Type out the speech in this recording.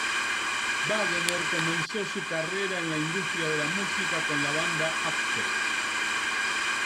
Wagener comenzó su carrera en la industria de la música con la banda Accept.